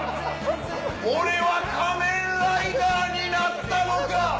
俺は仮面ライダーになったのか！